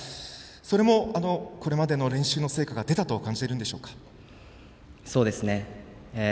それもこれまでの練習の成果が出たと感じているんでしょうか。